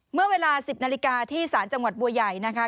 เมื่อเวลา๑๐นาฬิกาที่ศาลจังหวัดบัวใหญ่นะคะ